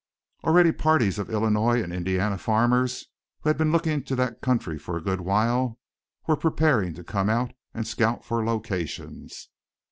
Already parties of Illinois and Indiana farmers, who had been looking to that country for a good while, were preparing to come out and scout for locations.